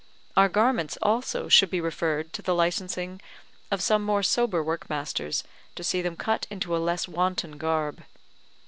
Our garments also should be referred to the licensing of some more sober workmasters to see them cut into a less wanton garb.